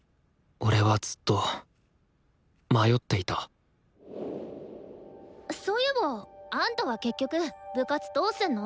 俺はずっと迷っていたそういえばあんたは結局部活どうすんの？